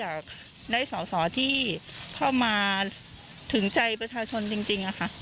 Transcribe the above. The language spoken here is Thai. อยากได้สอสอที่เข้ามาถึงใจประชาชนจริงค่ะ